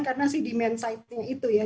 karena si demand side nya itu ya